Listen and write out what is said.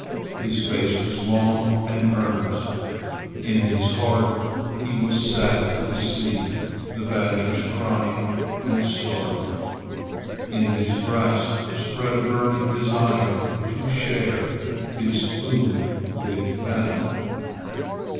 His face was long and earnest. In his heart he was sad to see the badgers crying and starving. In his breast spread a burning desire to share his food with them.